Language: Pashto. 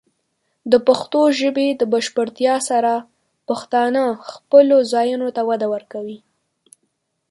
د پښتو ژبې د بشپړتیا سره، پښتانه خپلو ځایونو ته وده ورکوي.